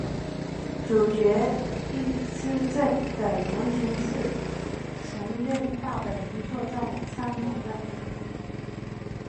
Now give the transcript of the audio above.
主角壹岐正的原型是曾任大本营作战参谋的。